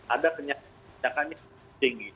ada penyakit yang tinggi